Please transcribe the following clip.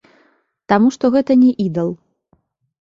Таму што гэта не ідал.